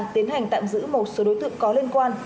tiến hành tạm giữ một số đối tượng có liên quan